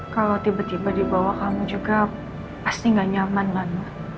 kalau tiba tiba dibawa kamu juga pasti nggak nyaman man